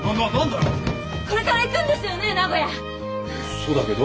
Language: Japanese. そうだけど？